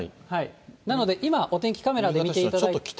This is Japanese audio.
なので、今お天気カメラで見ていただいて。